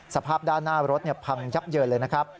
สภาพด้านหน้ารถพังยับเยินเลยนะครับ